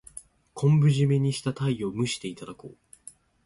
昆布じめにしたタイを蒸していただこう。